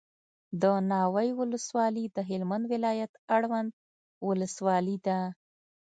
دناوی ولسوالي دهلمند ولایت اړوند ولسوالي ده